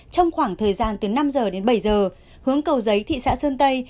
trong khoảng thời gian từ năm giờ đến bảy giờ hướng cầu giấy thị xã sơn tây